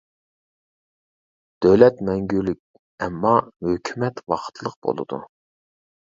دۆلەت مەڭگۈلۈك، ئەمما ھۆكۈمەت ۋاقىتلىق بولىدۇ.